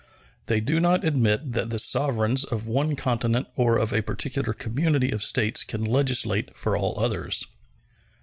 They do not admit that the sovereigns of one continent or of a particular community of states can legislate for all others.